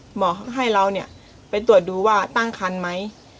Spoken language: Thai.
หมอเขาก็ให้เราไปตรวจดูว่าตั้งคันไหม